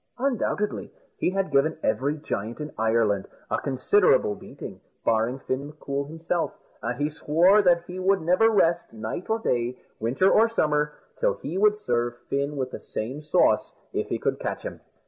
Undoubtedly he had given every giant in Ireland a considerable beating, barring Fin M'Coul himself; and he swore that he would never rest, night or day, winter or summer, till he would serve Fin with the same sauce, if he could catch him.